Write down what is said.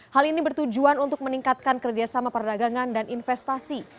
hal ini bertujuan untuk meningkatkan kerjasama perdagangan dan investasi